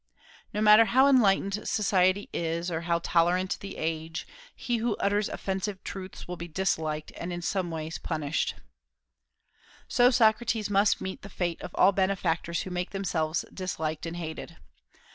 No matter how enlightened society is, or tolerant the age, he who utters offensive truths will be disliked, and in some way punished. So Socrates must meet the fate of all benefactors who make themselves disliked and hated.